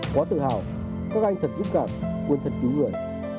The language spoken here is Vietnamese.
quá tự hào các anh thật dũng cảm quên thật cứu người